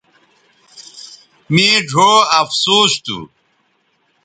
مے ڙھؤ افسوس تھو